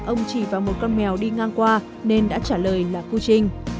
ông chỉ vào một con mèo đi ngang qua nên đã trả lời là kuching